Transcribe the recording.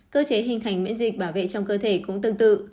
cơ chế hình thành miễn dịch bảo vệ trong cơ thể cũng tương tự